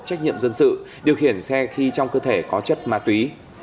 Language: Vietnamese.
trách nhiệm dân sự điều khiển xe khi trong cơ thể có chất ma túy